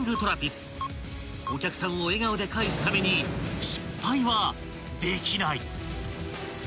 ［お客さんを笑顔で帰すために失敗はできない］